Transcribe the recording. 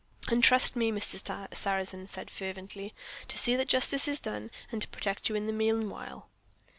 "And trust me," Mr. Sarrazin said fervently, "to see that Justice is done, and to protect you in the meanwhile."